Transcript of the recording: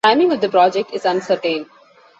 Timing of the project is uncertain.